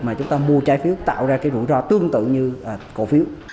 mà chúng ta mua trái phiếu tạo ra cái rủi ro tương tự như cổ phiếu